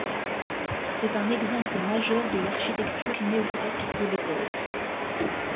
C'est un exemple majeur de l'architecture néo-grecque de l'époque.